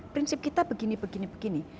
prinsip kita begini begini